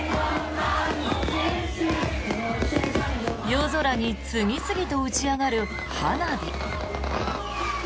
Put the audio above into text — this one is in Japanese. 夜空に次々と打ち上がる花火。